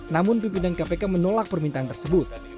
namun pimpinan kpk menolak permintaan tersebut